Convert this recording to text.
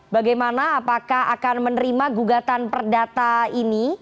bagaimana apakah akan menerima gugatan perdata ini